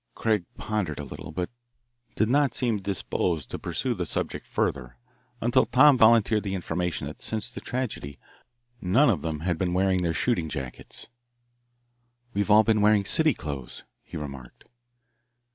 Craig pondered a little, but did not seem disposed to pursue the subject further, until Tom volunteered the information that since the tragedy none of them had been wearing their shooting jackets. "We've all been wearing city clothes," he remarked.